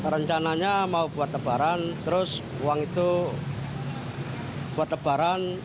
rencananya mau buat lebaran terus uang itu buat lebaran